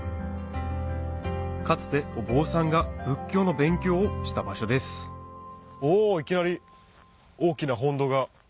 かつてお坊さんが仏教の勉強をした場所ですお！